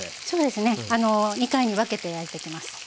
そうですね２回に分けて焼いていきます。